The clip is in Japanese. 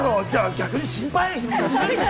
逆に心配。